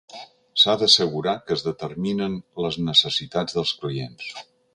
S'ha d'assegurar que es determinen les necessitats dels clients.